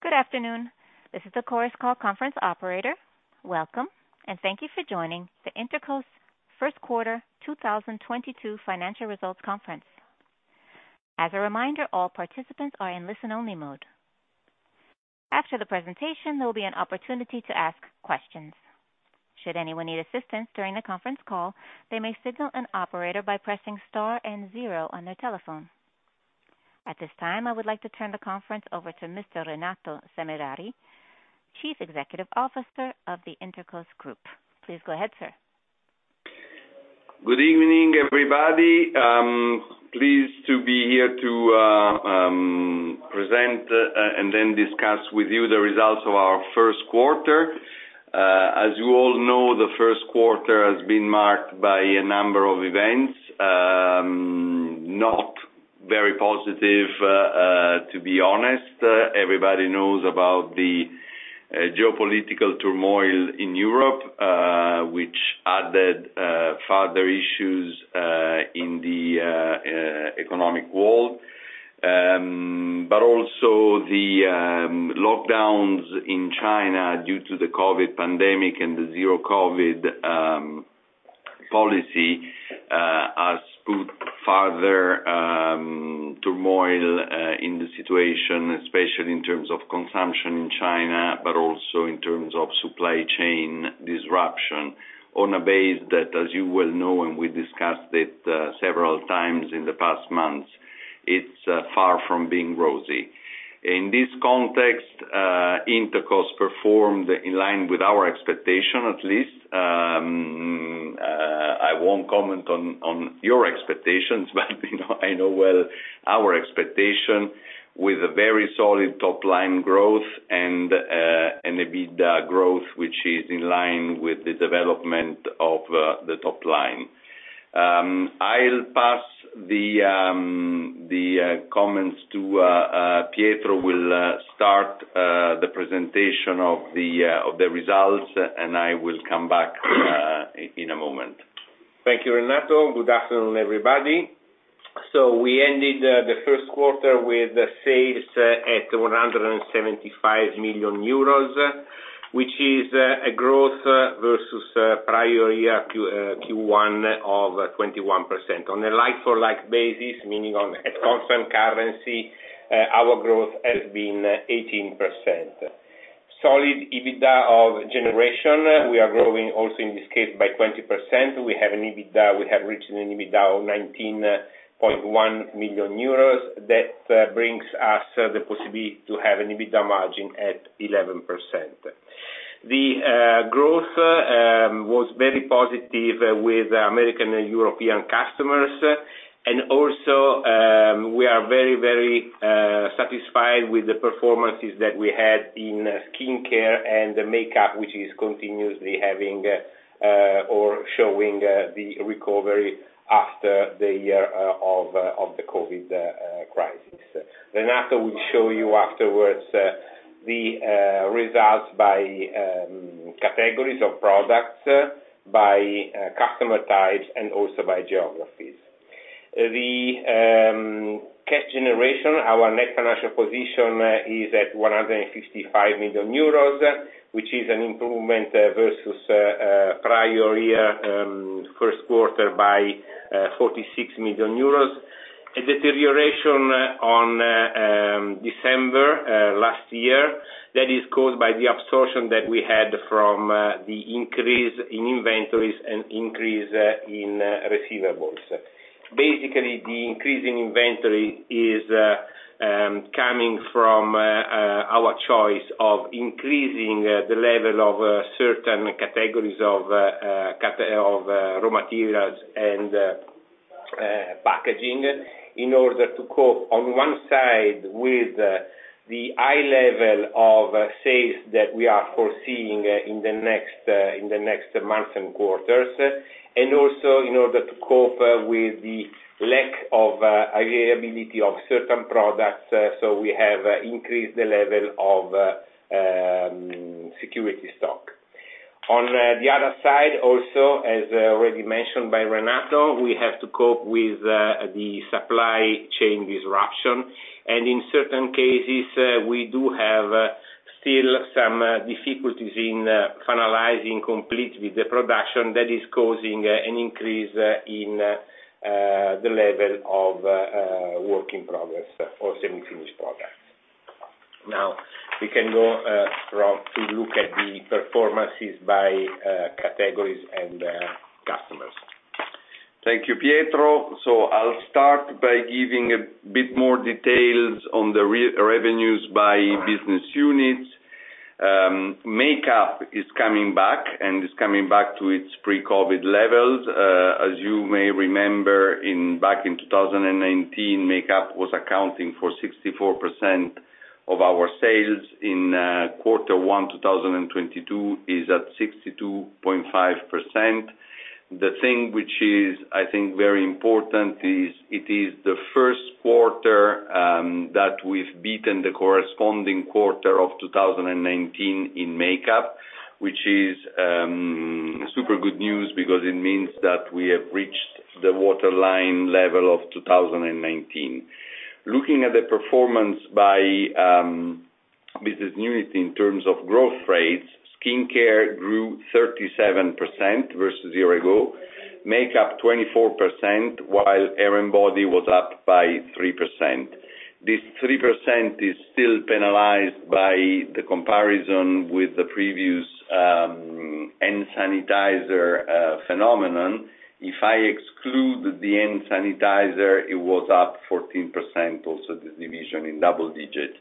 Good afternoon. This is the Chorus Call conference operator. Welcome, and thank you for joining the Intercos First Quarter 2022 Financial Results Conference. As a reminder, all participants are in listen-only mode. After the presentation, there will be an opportunity to ask questions. Should anyone need assistance during the conference call, they may signal an operator by pressing star and zero on their telephone. At this time, I would like to turn the conference over to Mr. Renato Semerari, Chief Executive Officer of the Intercos Group. Please go ahead, sir. Good evening, everybody. Pleased to be here to present and then discuss with you the results of our first quarter. As you all know, the first quarter has been marked by a number of events, not very positive, to be honest. Everybody knows about the geopolitical turmoil in Europe, which added further issues in the economic world. Also the lockdowns in China due to the COVID pandemic and the zero-COVID policy has put further turmoil in the situation, especially in terms of consumption in China, but also in terms of supply chain disruption on a basis that, as you well know, and we discussed it, several times in the past months, it's far from being rosy. In this context, Intercos performed in line with our expectation, at least. I won't comment on your expectations, but I know well our expectation with a very solid top-line growth and an EBITDA growth, which is in line with the development of the top line. I'll pass the comments to Pietro. Pietro will start the presentation of the results, and I will come back in a moment. Thank you, Renato. Good afternoon, everybody. We ended the first quarter with sales at 175 million euros, which is a growth versus prior year Q1 of 21%. On a like-for-like basis, meaning on a constant currency, our growth has been 18%. Solid EBITDA generation. We are growing also in this case by 20%. We have reached an EBITDA of 19.1 million euros. That brings us the possibility to have an EBITDA margin at 11%. The growth was very positive with American and European customers, and also we are very satisfied with the performances that we had in skincare and the makeup, which is continuously having or showing the recovery after the year of the COVID crisis. Renato will show you afterwards the results by categories of products, by customer types, and also by geographies. The cash generation, our net financial position is at 155 million euros, which is an improvement versus prior year first quarter by 46 million euros. A deterioration on December last year that is caused by the absorption that we had from the increase in inventories and increase in receivables. Basically, the increase in inventory is coming from our choice of increasing the level of certain categories of raw materials and packaging in order to cope on one side with the high level of sales that we are foreseeing in the next months and quarters, and also in order to cope with the lack of availability of certain products. We have increased the level of security stock. On the other side also, as already mentioned by Renato, we have to cope with the supply chain disruption. In certain cases, we do have still some difficulties in finalizing completely the production that is causing an increase in the level of work in progress or semi-finished products. Now, we can go, Renato, to look at the performances by categories and customers. Thank you, Pietro. I'll start by giving a bit more details on the revenues by business units. Makeup is coming back, and it's coming back to its pre-COVID levels. As you may remember back in 2019, makeup was accounting for 64% of our sales. In quarter one, 2022 is at 62.5%. The thing which is, I think, very important is it is the first quarter that we've beaten the corresponding quarter of 2019 in makeup, which is super good news because it means that we have reached the waterline level of 2019. Looking at the performance by business unit in terms of growth rates, skincare grew 37% versus a year ago, makeup 24%, while hair and body was up by 3%. This 3% is still penalized by the comparison with the previous hand sanitizer phenomenon. If I exclude the hand sanitizer, it was up 14%, also this division in double digits.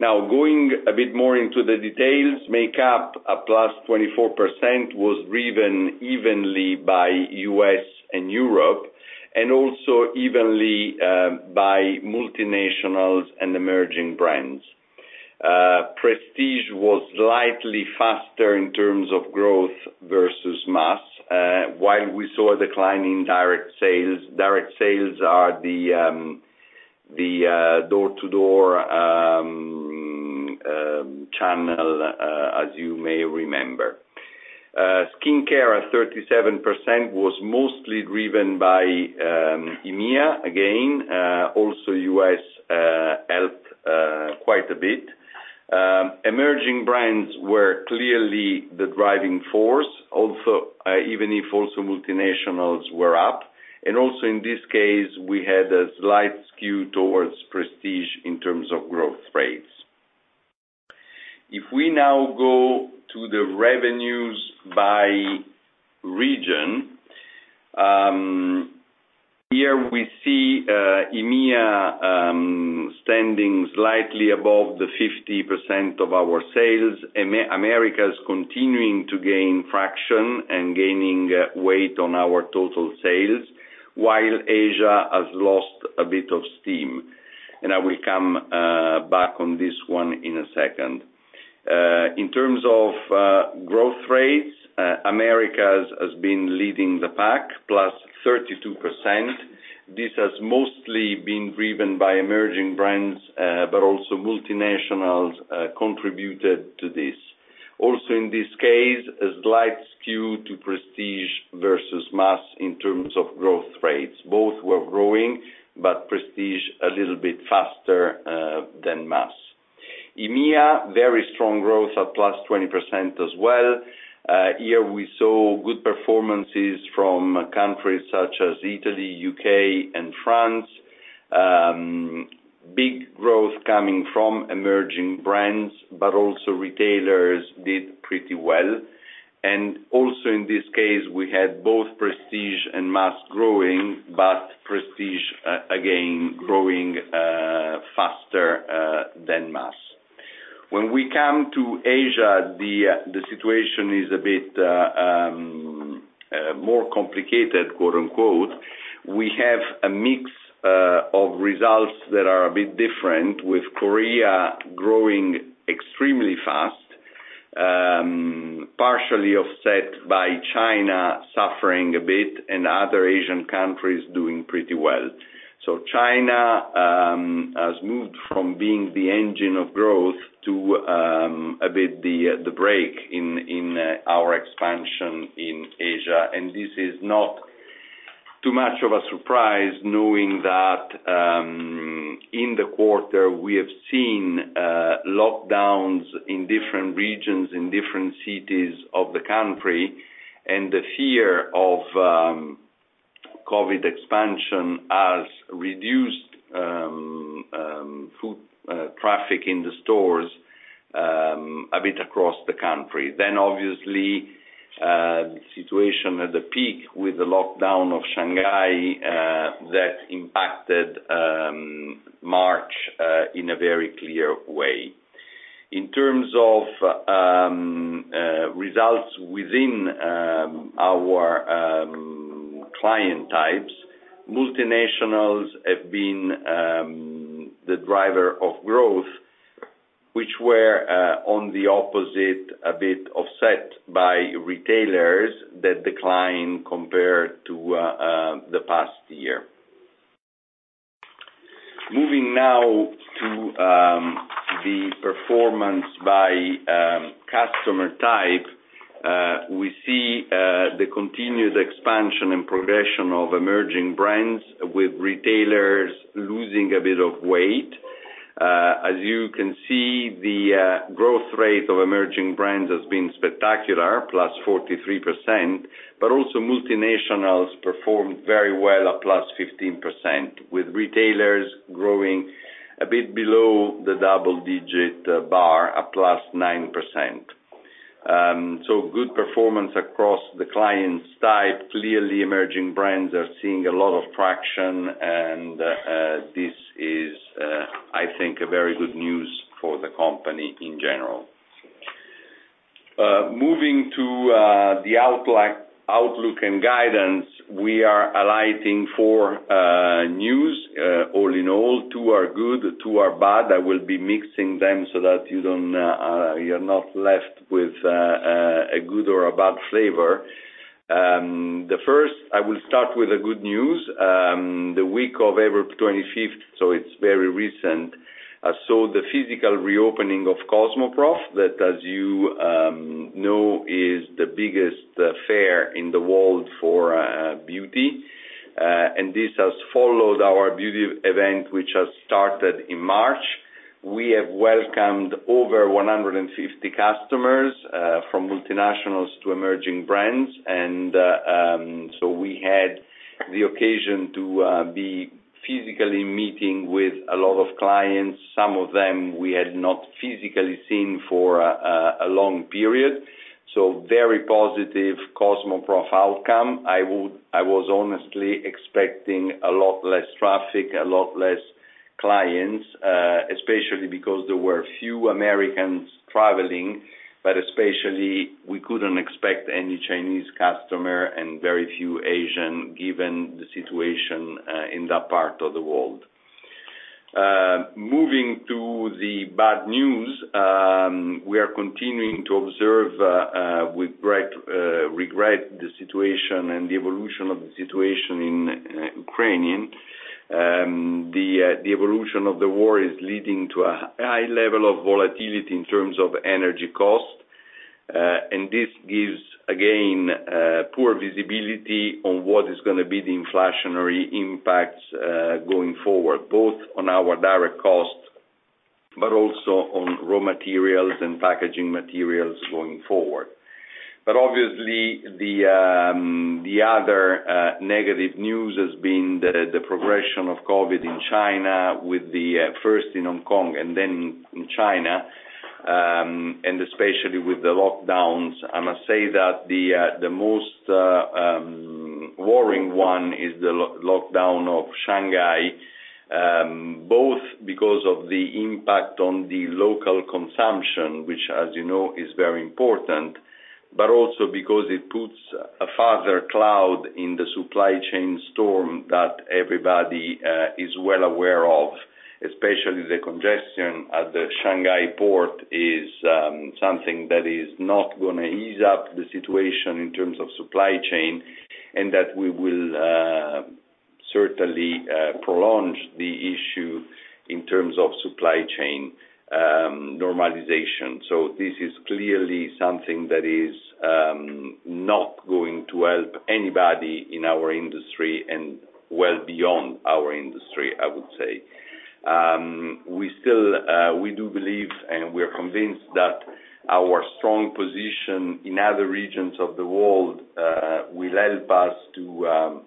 Now going a bit more into the details, makeup up +24%, was driven evenly by U.S. and Europe, and also evenly by multinationals and emerging brands. Prestige was slightly faster in terms of growth versus mass while we saw a decline in direct sales. Direct sales are the door-to-door channel, as you may remember. Skincare at 37% was mostly driven by EMEA again. Also U.S. helped quite a bit. Emerging brands were clearly the driving force, also even if also multinationals were up. Also in this case, we had a slight skew towards prestige in terms of growth rates. If we now go to the revenues by region, here we see EMEA standing slightly above the 50% of our sales. America is continuing to gain traction and gaining weight on our total sales, while Asia has lost a bit of steam. I will come back on this one in a second. In terms of growth rates, Americas has been leading the pack, +32%. This has mostly been driven by emerging brands, but also multinationals contributed to this. Also, in this case, a slight skew to prestige versus mass in terms of growth rates. Both were growing, but prestige a little bit faster than mass. EMEA, very strong growth at +20% as well. Here we saw good performances from countries such as Italy, U.K., and France. Big growth coming from emerging brands, but also retailers did pretty well. Also in this case, we had both prestige and mass growing, but prestige again growing faster than mass. When we come to Asia, the situation is a bit more complicated, quote-unquote. We have a mix of results that are a bit different, with Korea growing extremely fast, partially offset by China suffering a bit and other Asian countries doing pretty well. China has moved from being the engine of growth to a bit the brake in our expansion in Asia. This is not too much of a surprise knowing that, in the quarter, we have seen lockdowns in different regions, in different cities of the country, and the fear of COVID expansion has reduced foot traffic in the stores a bit across the country. Obviously, the situation at the peak with the lockdown of Shanghai that impacted March in a very clear way. In terms of results within our client types, multinationals have been the driver of growth, which were on the opposite a bit offset by retailers that declined compared to the past year. Moving now to the performance by customer type, we see the continued expansion and progression of emerging brands with retailers losing a bit of weight. As you can see, the growth rate of emerging brands has been spectacular, +43%, but also multinationals performed very well at +15%, with retailers growing a bit below the double-digit bar at +9%. Good performance across the clients type. Clearly, emerging brands are seeing a lot of traction, and this is, I think, a very good news for the company in general. Moving to the outlook and guidance, we are highlighting four news. All in all, two are good, two are bad. I will be mixing them so that you don't, you're not left with a good or a bad flavor. The first, I will start with the good news. The week of April 25th, so it's very recent, saw the physical reopening of Cosmoprof, that, as you know, is the biggest fair in the world for beauty. This has followed our beauty event, which has started in March. We have welcomed over 150 customers from multinationals to emerging brands, and so we had the occasion to be physically meeting with a lot of clients. Some of them we had not physically seen for a long period. Very positive Cosmoprof outcome. I was honestly expecting a lot less traffic, a lot less clients, especially because there were few Americans traveling, but especially we couldn't expect any Chinese customer and very few Asian, given the situation in that part of the world. Moving to the bad news, we are continuing to observe with great regret the situation and the evolution of the situation in Ukraine. The evolution of the war is leading to a high level of volatility in terms of energy cost, and this gives again poor visibility on what is gonna be the inflationary impacts going forward, both on our direct costs, but also on raw materials and packaging materials going forward. Obviously, the other negative news has been the progression of COVID in China with the first in Hong Kong and then in China, and especially with the lockdowns. I must say that the most worrying one is the lockdown of Shanghai, both because of the impact on the local consumption, which as you know, is very important, but also because it puts a further cloud in the supply chain storm that everybody is well aware of, especially the congestion at the Shanghai port is something that is not gonna ease up the situation in terms of supply chain, and that we will certainly prolong the issue in terms of supply chain normalization. This is clearly something that is not going to help anybody in our industry and well beyond our industry, I would say. We do believe and we're convinced that our strong position in other regions of the world will help us to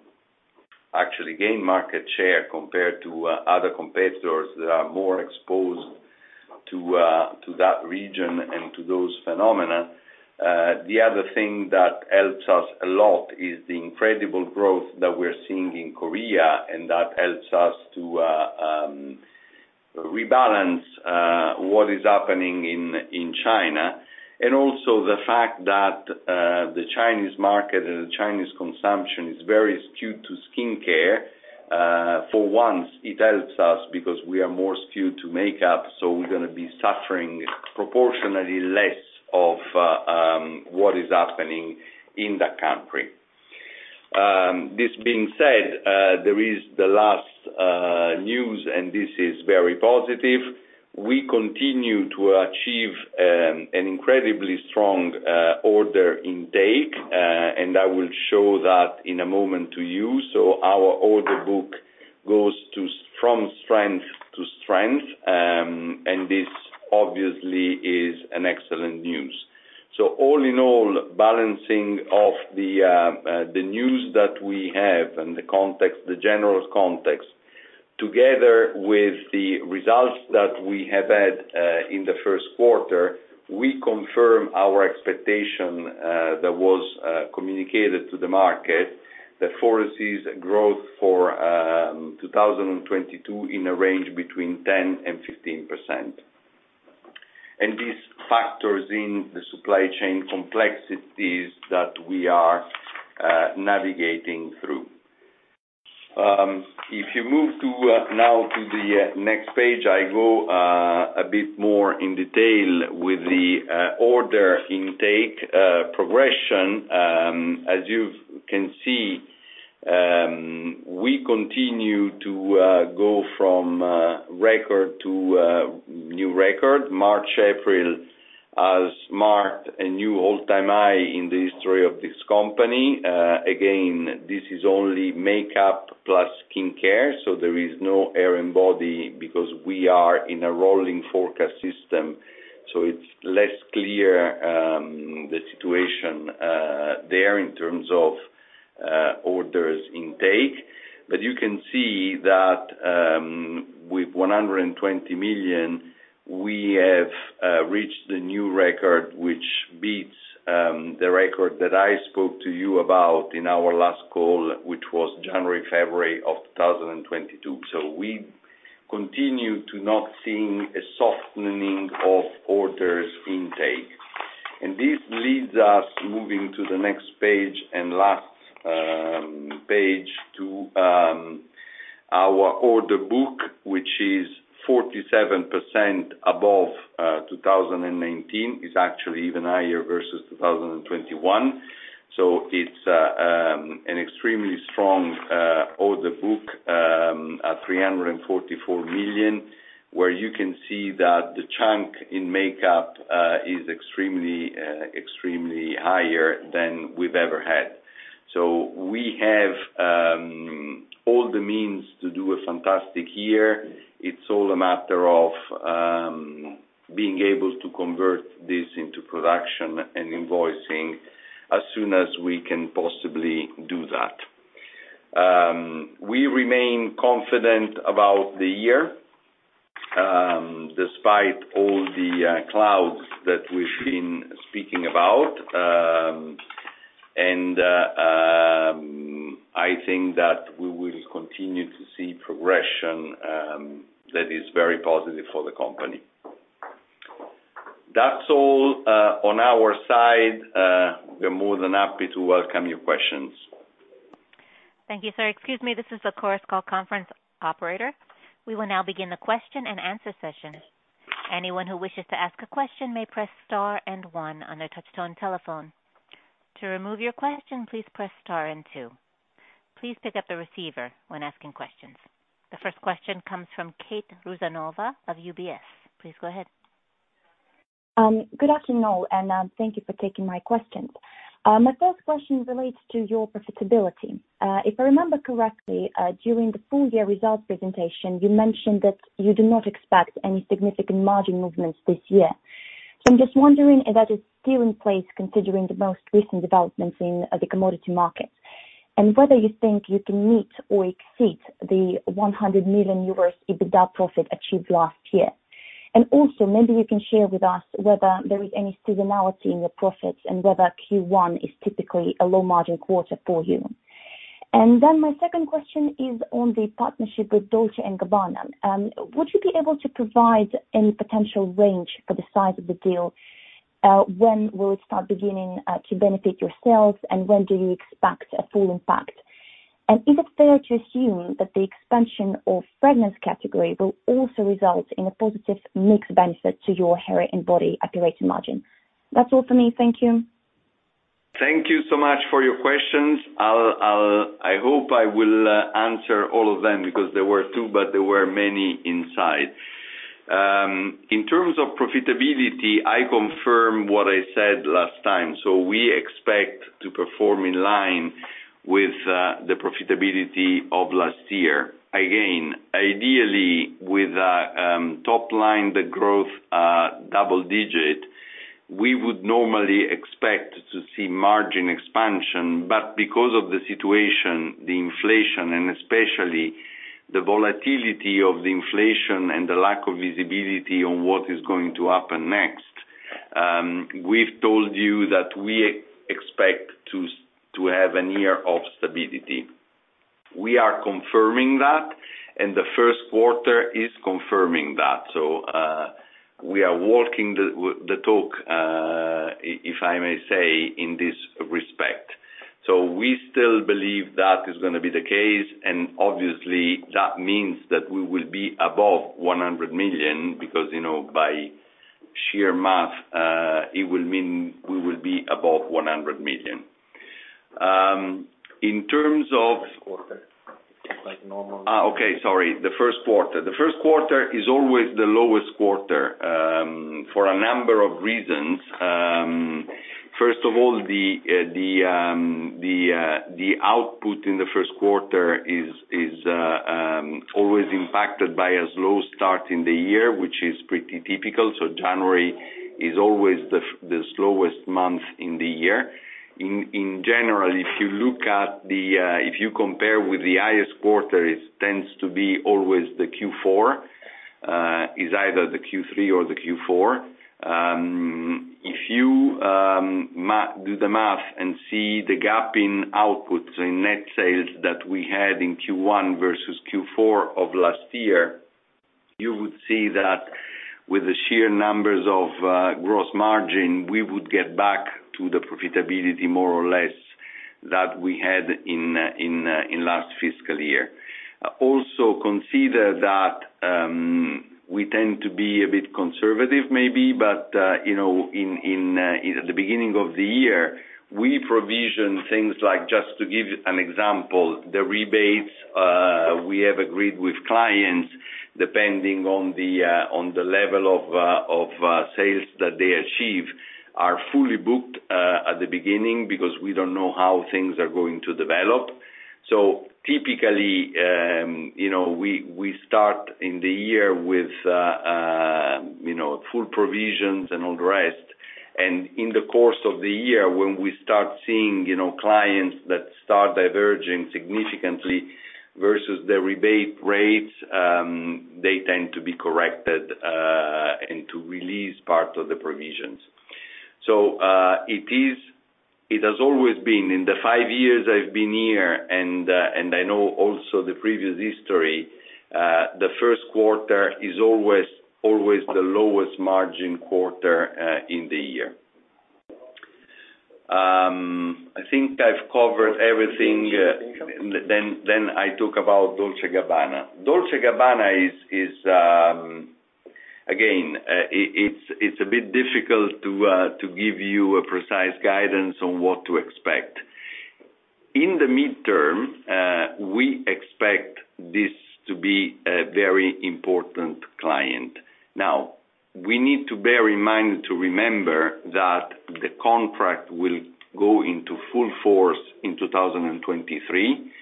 actually gain market share compared to other competitors that are more exposed to that region and to those phenomena. The other thing that helps us a lot is the incredible growth that we're seeing in Korea, and that helps us to rebalance what is happening in China. Also the fact that the Chinese market and the Chinese consumption is very skewed to skincare. For once, it helps us because we are more skewed to makeup, so we're gonna be suffering proportionately less of what is happening in the country. This being said, there is the last news, and this is very positive. We continue to achieve an incredibly strong order intake and I will show that in a moment to you. Our order book goes from strength to strength and this obviously is an excellent news. All in all, balancing of the news that we have and the context, the general context, together with the results that we have had in the first quarter, we confirm our expectation that was communicated to the market that foresees growth for 2022 in a range between 10% and 15%. This factors in the supply chain complexities that we are navigating through. If you move now to the next page, I go a bit more in detail with the order intake progression. As you can see, we continue to go from record to new record. March, April has marked a new all-time high in the history of this company. Again, this is only makeup plus skincare, so there is no hair and body because we are in a rolling forecast system, so it's less clear the situation there in terms of orders intake. But you can see that, with 120 million, we have reached a new record which beats the record that I spoke to you about in our last call, which was January, February of 2022. We continue to not seeing a softening of orders intake. This leads us moving to the next page and last page. Our order book, which is 47% above 2019, is actually even higher versus 2021. It's an extremely strong order book at 344 million, where you can see that the chunk in makeup is extremely higher than we've ever had. We have all the means to do a fantastic year. It's all a matter of being able to convert this into production and invoicing as soon as we can possibly do that. We remain confident about the year despite all the clouds that we've been speaking about. I think that we will continue to see progression that is very positive for the company. That's all on our side. We're more than happy to welcome your questions. Thank you, sir. Excuse me, this is the Chorus Call conference operator. We will now begin the question-and-answer session. Anyone who wishes to ask a question may press Star and One on their touchtone telephone. To remove your question, please press Star and Two. Please pick up the receiver when asking questions. The first question comes from Kate Rusanova of UBS. Please go ahead. Good afternoon, all, and thank you for taking my questions. My first question relates to your profitability. If I remember correctly, during the full year results presentation, you mentioned that you do not expect any significant margin movements this year. I'm just wondering if that is still in place considering the most recent developments in the commodity markets, and whether you think you can meet or exceed the 100 million euros EBITDA profit achieved last year. Also, maybe you can share with us whether there is any seasonality in your profits and whether Q1 is typically a low margin quarter for you. My second question is on the partnership with Dolce & Gabbana. Would you be able to provide any potential range for the size of the deal? When will it start beginning to benefit your sales, and when do you expect a full impact? Is it fair to assume that the expansion of fragrance category will also result in a positive mixed benefit to your hair and body operating margin? That's all for me. Thank you. Thank you so much for your questions. I hope I will answer all of them because there were two, but there were many inside. In terms of profitability, I confirm what I said last time. We expect to perform in line with the profitability of last year. Again, ideally, with top line growth double digit, we would normally expect to see margin expansion. Because of the situation, the inflation, and especially the volatility of the inflation and the lack of visibility on what is going to happen next, we've told you that we expect to have a year of stability. We are confirming that, and the first quarter is confirming that. We are walking the talk, if I may say, in this respect. We still believe that is gonna be the case, and obviously, that means that we will be above 100 million because, you know, by sheer math, it will mean we will be above 100 million. In terms of- First quarter, like normal. The first quarter. The first quarter is always the lowest quarter for a number of reasons. First of all, the output in the first quarter is always impacted by a slow start in the year, which is pretty typical. January is always the slowest month in the year. In general, if you compare with the highest quarter, it tends to be either the Q3 or the Q4. If you do the math and see the gap in outputs, in net sales that we had in Q1 versus Q4 of last year, you would see that with the sheer numbers of gross margin, we would get back to the profitability more or less that we had in last fiscal year. Also consider that we tend to be a bit conservative maybe, but you know, at the beginning of the year, we provision things like, just to give an example, the rebates we have agreed with clients, depending on the level of sales that they achieve, are fully booked at the beginning because we don't know how things are going to develop. Typically, you know, we start in the year with, you know, full provisions and all the rest. In the course of the year, when we start seeing, you know, clients that start diverging significantly versus the rebate rates, they tend to be corrected, and to release part of the provisions. It has always been, in the five years I've been here, and I know also the previous history, the first quarter is always the lowest margin quarter, in the year. I think I've covered everything. I talk about Dolce & Gabbana. Dolce & Gabbana is, again, it's a bit difficult to give you a precise guidance on what to expect. In the midterm, we expect this to be a very important client. Now, we need to bear in mind to remember that the contract will go into full force in 2023.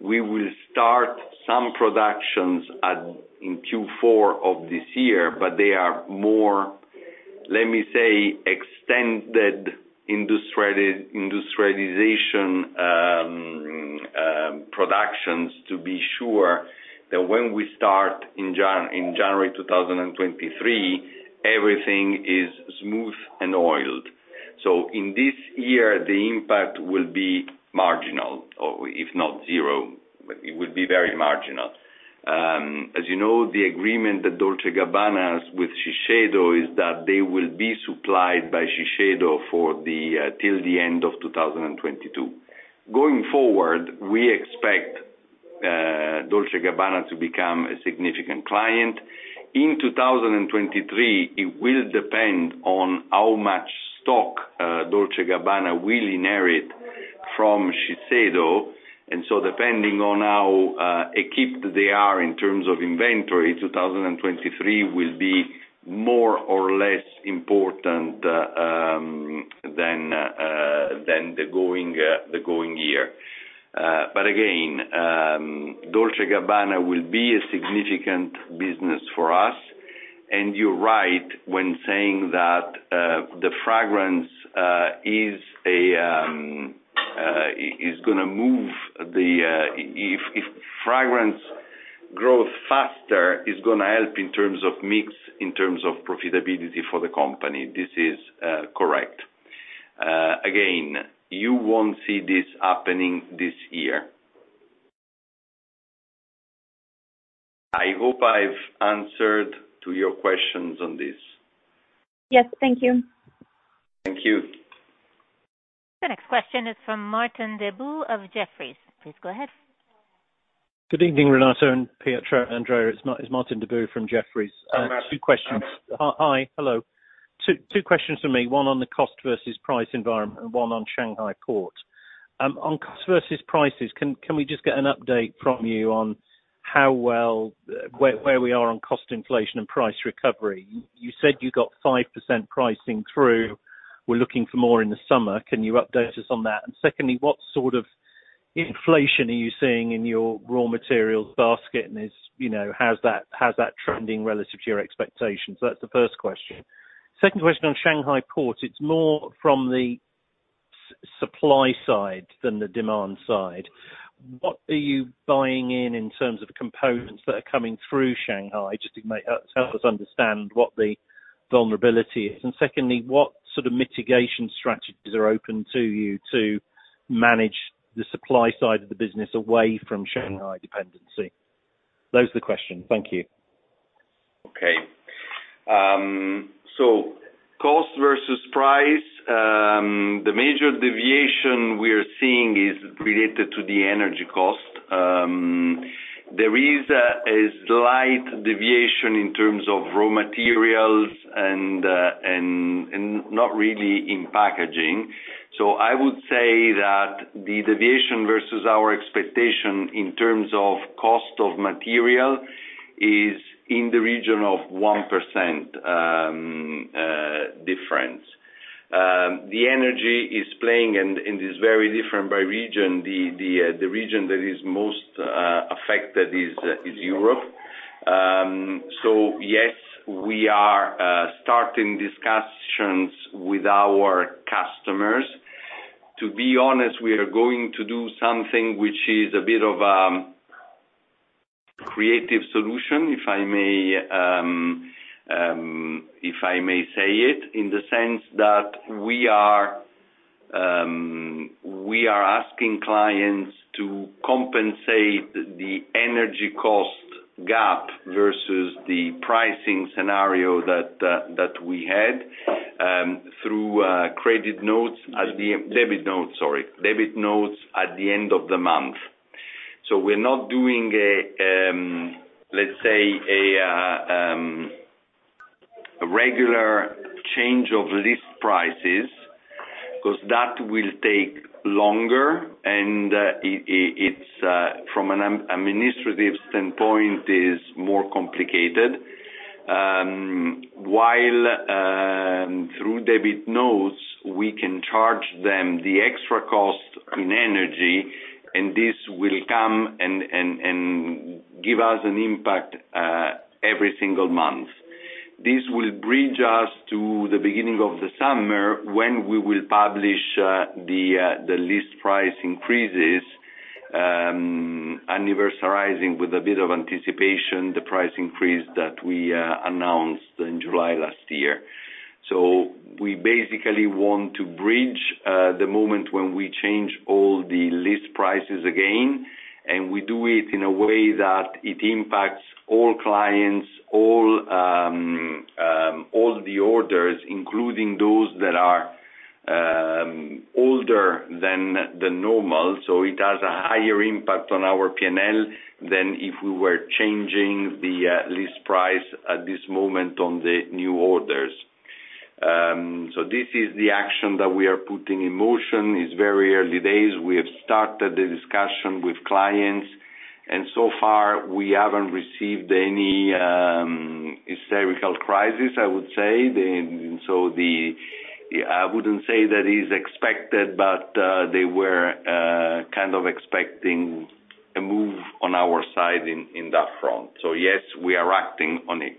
We will start some productions in Q4 of this year, but they are more, let me say, extended industrialization productions to be sure that when we start in January 2023, everything is smooth and oiled. In this year, the impact will be marginal, or if not zero, but it would be very marginal. As you know, the agreement that Dolce & Gabbana with Shiseido is that they will be supplied by Shiseido for the till the end of 2022. Going forward, we expect Dolce & Gabbana to become a significant client. In 2023, it will depend on how much stock Dolce & Gabbana will inherit from Shiseido. Depending on how equipped they are in terms of inventory, 2023 will be more or less important than the going year. Dolce & Gabbana will be a significant business for us. You're right when saying that if fragrance grows faster, it's gonna help in terms of mix, in terms of profitability for the company. This is correct. Again, you won't see this happening this year. I hope I've answered to your questions on this. Yes. Thank you. Thank you. The next question is from Martin Deboo of Jefferies. Please go ahead. Good evening, Renato and Pietro, Andrea. It's Martin Deboo from Jefferies. Hi, Martin. Hi. Hello. Two questions from me, one on the cost versus price environment and one on Shanghai port. On cost versus prices, can we just get an update from you on how well, where we are on cost inflation and price recovery? You said you got 5% pricing through. We're looking for more in the summer. Can you update us on that? Secondly, what sort of inflation are you seeing in your raw materials basket and, you know, how's that trending relative to your expectations? That's the first question. Second question on Shanghai port, it's more from the supply side than the demand side. What are you buying in terms of components that are coming through Shanghai? Just to help us understand what the vulnerability is. Secondly, what sort of mitigation strategies are open to you to manage the supply side of the business away from Shanghai dependency? Those are the questions. Thank you. Cost versus price, the major deviation we are seeing is related to the energy cost. There is a slight deviation in terms of raw materials and not really in packaging. I would say that the deviation versus our expectation in terms of cost of material is in the region of 1% difference. The energy is playing very differently by region. The region that is most affected is Europe. Yes, we are starting discussions with our customers. To be honest, we are going to do something which is a bit of creative solution, if I may say it, in the sense that we are asking clients to compensate the energy cost gap versus the pricing scenario that we had through credit notes. Debit notes, sorry. Debit notes at the end of the month. We're not doing a let's say a regular change of list prices, 'cause that will take longer and it's from an administrative standpoint more complicated. While through debit notes, we can charge them the extra cost on energy, and this will come and give us an impact every single month. This will bridge us to the beginning of the summer when we will publish the list price increases, anniversarizing with a bit of anticipation, the price increase that we announced in July last year. We basically want to bridge the moment when we change all the list prices again. We do it in a way that it impacts all clients, all the orders, including those that are older than the normal. It has a higher impact on our P&L than if we were changing the list price at this moment on the new orders. This is the action that we are putting in motion. It's very early days. We have started the discussion with clients, and so far, we haven't received any hysterical crisis, I would say. I wouldn't say that is expected, but they were kind of expecting a move on our side in that front. Yes, we are acting on it.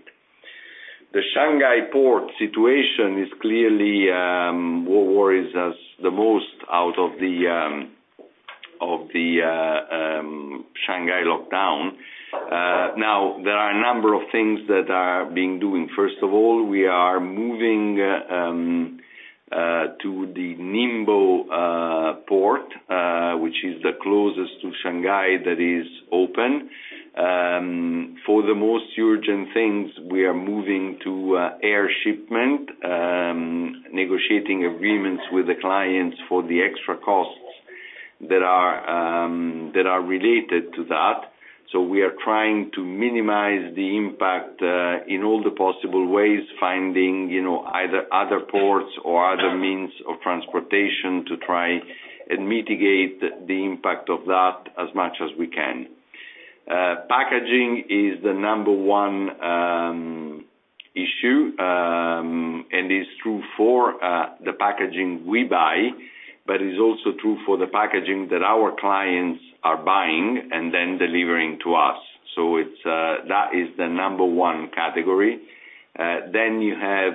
The Shanghai port situation is clearly what worries us the most out of the Shanghai lockdown. Now, there are a number of things that are being done. First of all, we are moving to the Ningbo Port, which is the closest to Shanghai that is open. For the most urgent things, we are moving to air shipment, negotiating agreements with the clients for the extra costs that are related to that. We are trying to minimize the impact in all the possible ways, finding, you know, either other ports or other means of transportation to try and mitigate the impact of that as much as we can. Packaging is the number one issue, and it's true for the packaging we buy, but it's also true for the packaging that our clients are buying and then delivering to us. It's that is the number one category. Then you have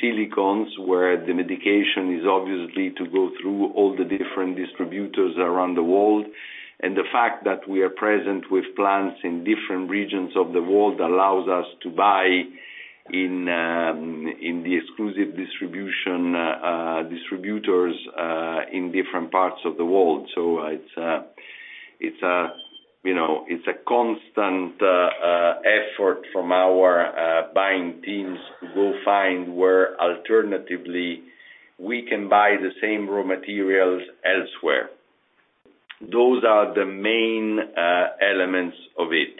silicones, where the mitigation is obviously to go through all the different distributors around the world. The fact that we are present with plants in different regions of the world allows us to buy in in the exclusive distribution distributors in different parts of the world. It's, you know, a constant effort from our buying teams to go find where alternatively we can buy the same raw materials elsewhere. Those are the main elements of it.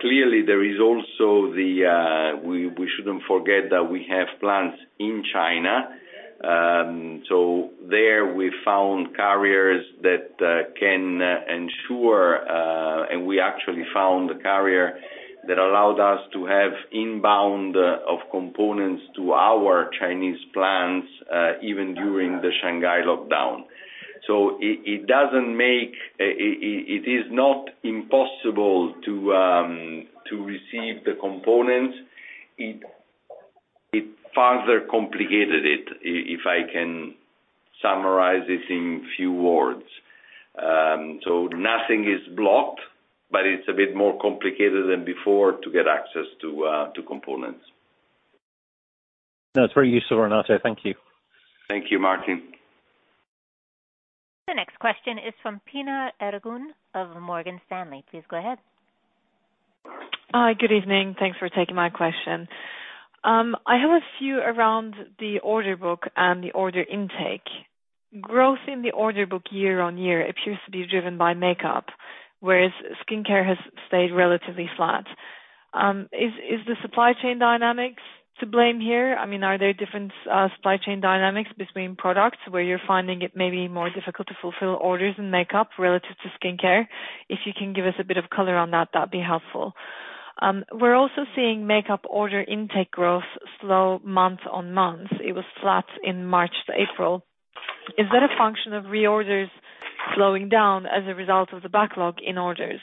Clearly, we shouldn't forget that we have plants in China. There we found carriers that can ensure, and we actually found a carrier that allowed us to have inbound of components to our Chinese plants even during the Shanghai lockdown. It is not impossible to receive the components. It further complicated it, if I can summarize it in few words. Nothing is blocked, but it's a bit more complicated than before to get access to components. That's very useful, Renato. Thank you. Thank you, Martin. The next question is from Pinar Ergun of Morgan Stanley. Please go ahead. Hi. Good evening. Thanks for taking my question. I have a few around the order book and the order intake. Growth in the order book year-on-year appears to be driven by makeup, whereas skincare has stayed relatively flat. Is the supply chain dynamics to blame here? I mean, are there different supply chain dynamics between products where you're finding it may be more difficult to fulfill orders in makeup relative to skincare? If you can give us a bit of color on that'd be helpful. We're also seeing makeup order intake growth slow month-on-month. It was flat in March to April. Is that a function of reorders slowing down as a result of the backlog in orders?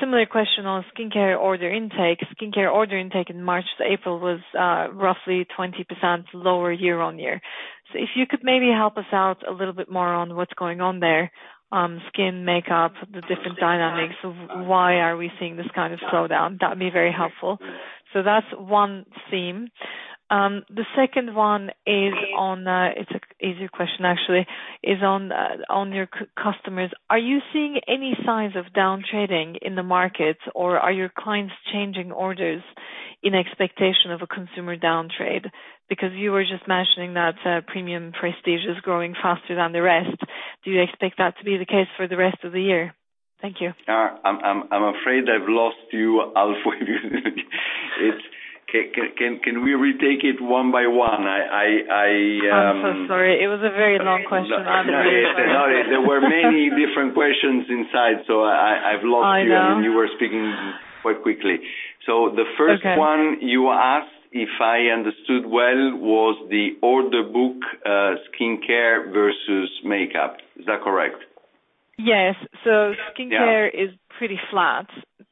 Similar question on skincare order intake. Skincare order intake in March to April was roughly 20% lower year-on-year. If you could maybe help us out a little bit more on what's going on there, skin, makeup, the different dynamics of why are we seeing this kind of slowdown, that'd be very helpful. That's one theme. The second one is on your customers. It's an easier question, actually, is on your customers. Are you seeing any signs of down trading in the markets, or are your clients changing orders in expectation of a consumer downtrade? Because you were just mentioning that premium prestige is growing faster than the rest. Do you expect that to be the case for the rest of the year? Thank you. I'm afraid I've lost you halfway. Can we retake it one by one? I'm so sorry. It was a very long question. I apologize. No. There were many different questions inside, so I've lost you. I know. You were speaking quite quickly. Okay. The first one you asked, if I understood well, was the order book, skincare versus makeup. Is that correct? Yes. Yeah. Skincare is pretty flat.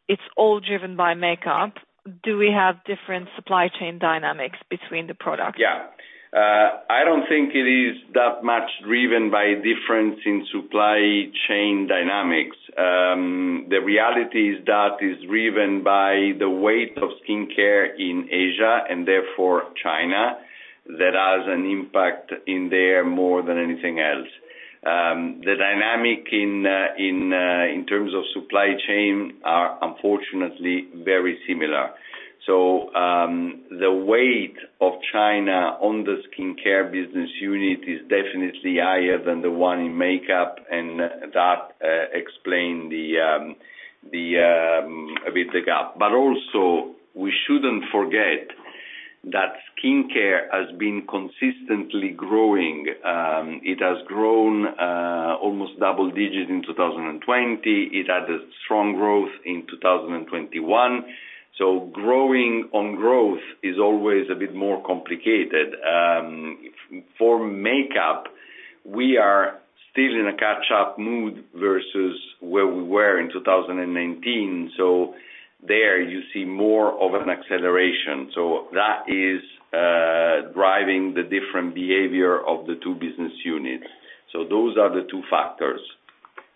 It's all driven by makeup. Do we have different supply chain dynamics between the products? Yeah. I don't think it is that much driven by difference in supply chain dynamics. The reality is that it's driven by the weight of skincare in Asia and therefore China. That has an impact in there more than anything else. The dynamic in terms of supply chain are unfortunately very similar. The weight of China on the skincare business unit is definitely higher than the one in makeup, and that explain a bit the gap. But also we shouldn't forget that skincare has been consistently growing. It has grown almost double digit in 2020. It had a strong growth in 2021. Growing on growth is always a bit more complicated. For makeup, we are still in a catch-up mood versus where we were in 2019. There you see more of an acceleration. That is driving the different behavior of the two business units. Those are the two factors,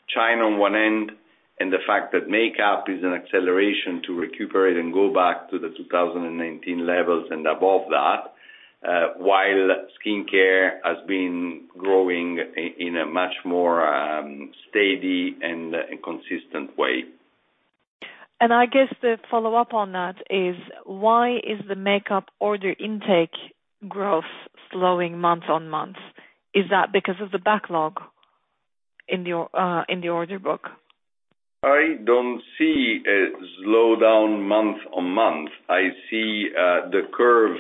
China on one end, and the fact that makeup is an acceleration to recuperate and go back to the 2019 levels and above that, while skincare has been growing in a much more steady and consistent way. I guess the follow-up on that is why is the makeup order intake growth slowing month-on-month? Is that because of the backlog in your order book? I don't see a slowdown month-on-month. I see the curve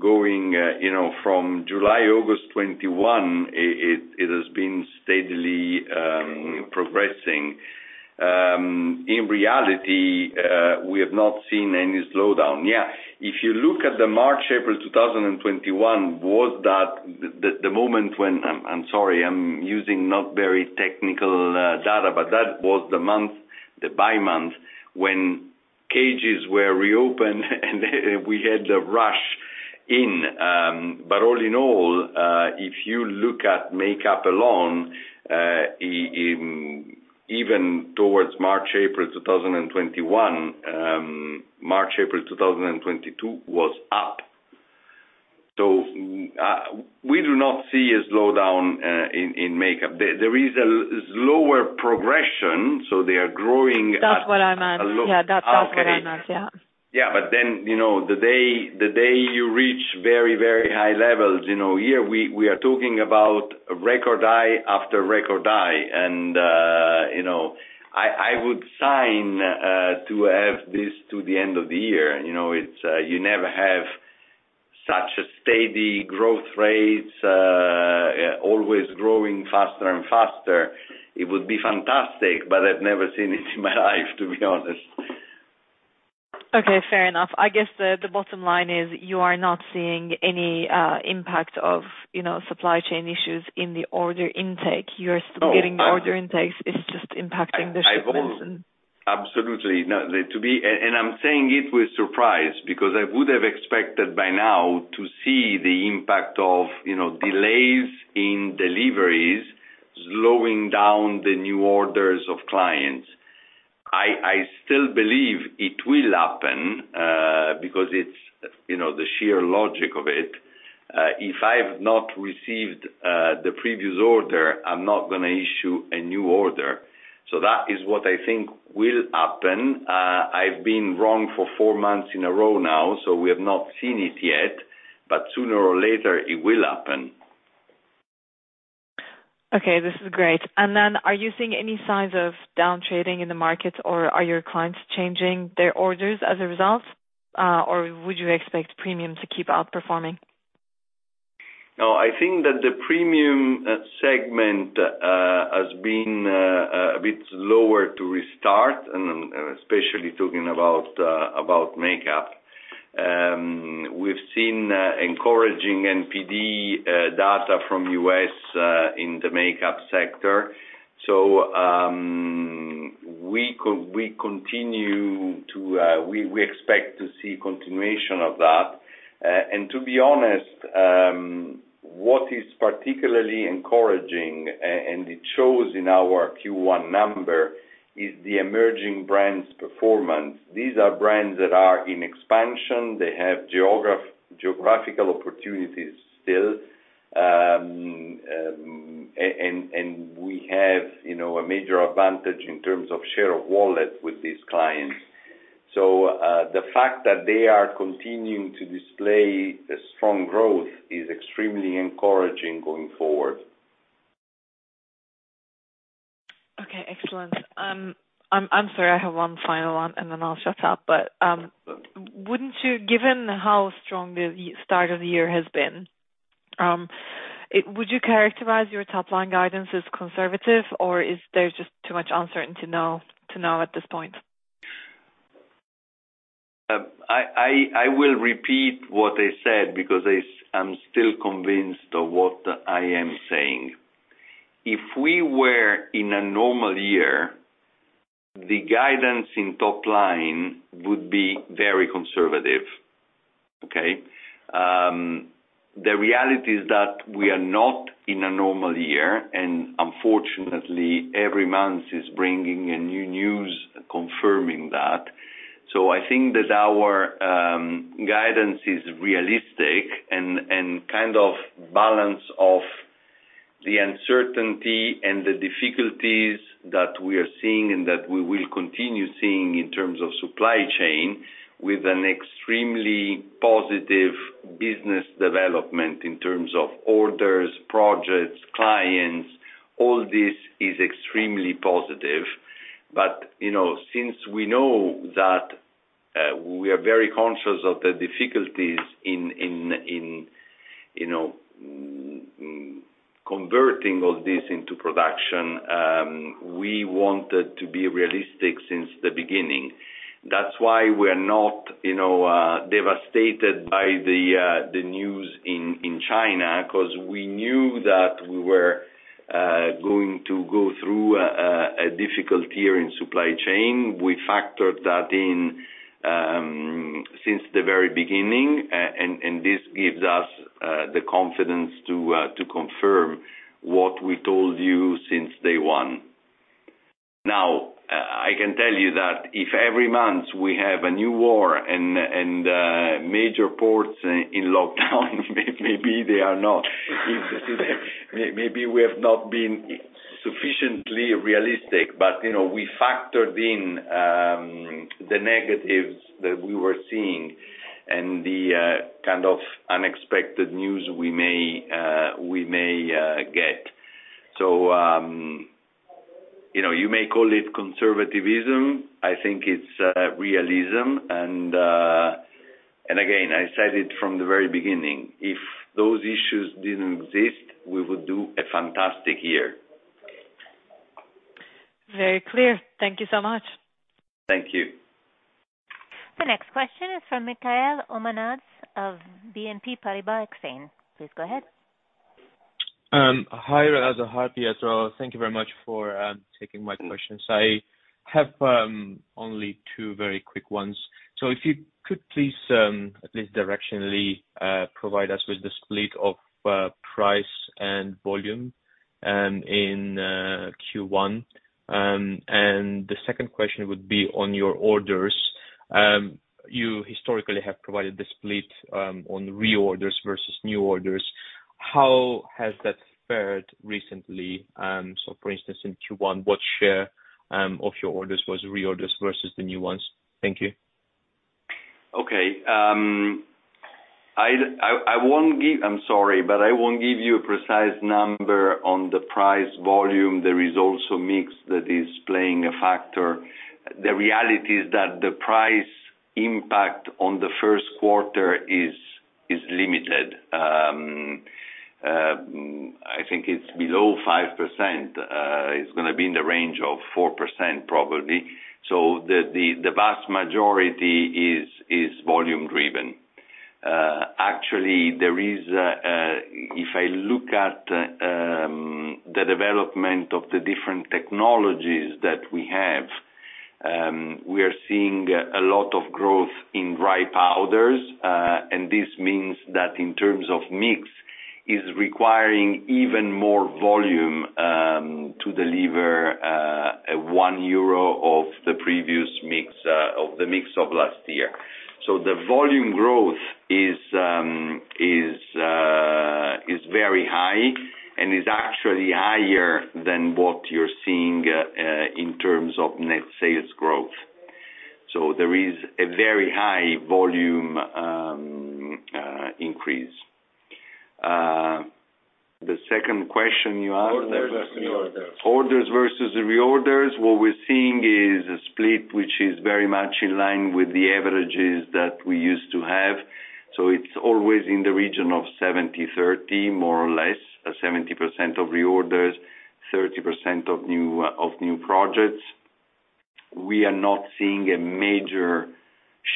going, you know, from July, August 2021. It has been steadily progressing. In reality, we have not seen any slowdown. Yeah, if you look at March, April 2021, was that the moment when. I'm sorry, I'm using not very technical data, but that was the month, the bi-month when stores were reopened and we had the rush in. All in all, if you look at makeup alone, even towards March, April 2021, March, April 2022 was up. We do not see a slowdown in makeup. There is a slower progression, so they are growing at- That's what I meant. Okay. Yeah, that's what I meant. Yeah. Yeah, you know, the day you reach very, very high levels, you know, here we are talking about record high after record high. You know, I would sign to have this to the end of the year. You know, you never have such a steady growth rates, always growing faster and faster. It would be fantastic, but I've never seen it in my life, to be honest. Okay, fair enough. I guess the bottom line is you are not seeing any impact of, you know, supply chain issues in the order intake. You're still getting the order intakes. It's just impacting the shipments and. Absolutely. No, I'm saying it with surprise because I would have expected by now to see the impact of, you know, delays in deliveries slowing down the new orders of clients. I still believe it will happen because it's, you know, the sheer logic of it. If I've not received the previous order, I'm not gonna issue a new order. That is what I think will happen. I've been wrong for four months in a row now, so we have not seen it yet, but sooner or later it will happen. Okay, this is great. Are you seeing any signs of down trading in the markets, or are your clients changing their orders as a result? Would you expect premium to keep outperforming? No, I think that the premium segment has been a bit slower to restart, and especially talking about makeup. We've seen encouraging NPD data from U.S. in the makeup sector. We continue to expect to see continuation of that. To be honest, what is particularly encouraging and it shows in our Q1 number is the emerging brands performance. These are brands that are in expansion. They have geographical opportunities still. And we have, you know, a major advantage in terms of share of wallet with these clients. The fact that they are continuing to display a strong growth is extremely encouraging going forward. Okay, excellent. I'm sorry, I have one final one, and then I'll shut up. Wouldn't you, given how strong the start of the year has been, would you characterize your top line guidance as conservative, or is there just too much uncertainty now to know at this point? I will repeat what I said because I'm still convinced of what I am saying. If we were in a normal year, the guidance in top line would be very conservative. The reality is that we are not in a normal year, and unfortunately, every month is bringing new news confirming that. I think that our guidance is realistic and kind of balance of the uncertainty and the difficulties that we are seeing and that we will continue seeing in terms of supply chain with an extremely positive business development in terms of orders, projects, clients, all this is extremely positive. You know, since we know that, we are very conscious of the difficulties in converting all this into production, we wanted to be realistic since the beginning. That's why we're not, you know, devastated by the news in China 'cause we knew that we were going to go through a difficult year in supply chain. We factored that in since the very beginning. This gives us the confidence to confirm what we told you since day one. Now, I can tell you that if every month we have a new war and major ports in lockdown, maybe they are not. Maybe we have not been sufficiently realistic. We factored in the negatives that we were seeing and the kind of unexpected news we may get. You know, you may call it conservatism. I think it's realism and again, I said it from the very beginning, if those issues didn't exist, we would do a fantastic year. Very clear. Thank you so much. Thank you. The next question is from Mikheil Omanadze of BNP Paribas Exane. Please go ahead. Hi, Renato and Pietro as well. Thank you very much for taking my questions. I have only two very quick ones. If you could please, at least directionally, provide us with the split of price and volume in Q1. The second question would be on your orders. You historically have provided the split on reorders versus new orders. How has that fared recently? For instance, in Q1, what share of your orders was reorders versus the new ones? Thank you. I'm sorry, but I won't give you a precise number on the price volume. There is also mix that is playing a factor. The reality is that the price impact on the first quarter is limited. I think it's below 5%, it's gonna be in the range of 4% probably. The vast majority is volume driven. Actually, if I look at the development of the different technologies that we have, we are seeing a lot of growth in dry powders, and this means that in terms of mix is requiring even more volume to deliver 1 euro of the previous mix of the mix of last year. The volume growth is very high and is actually higher than what you're seeing in terms of net sales growth. There is a very high volume increase. The second question you asked. Orders versus reorders. Orders versus reorders. What we're seeing is a split which is very much in line with the averages that we used to have. It's always in the region of 70/30, more or less. 70% of reorders, 30% of new projects. We are not seeing a major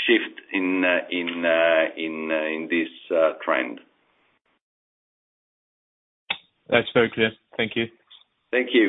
shift in this trend. That's very clear. Thank you. Thank you.